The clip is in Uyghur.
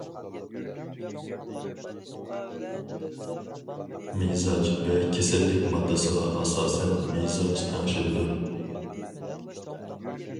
مىزاج ۋە كېسەللىك ماددىسىغا ئاساسەن مىزاج تەڭشىلىدۇ.